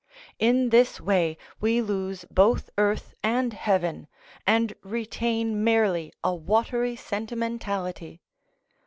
In this way we lose both earth and heaven, and retain merely a watery sentimentality.